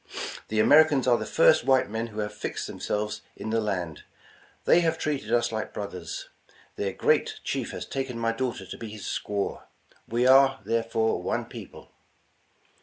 The Americans are the first white men who have fixed themselves in the land. They have treated us like brothers. Their great chief has taken my daughter to be his squaw; we are, there fore, one people."